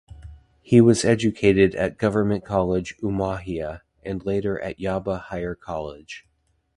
He was educated at Government College Umuahia, and later at Yaba Higher College.